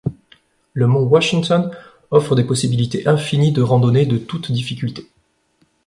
Le mont Washington offre des possibilités infinies de randonnées, de toutes difficultés.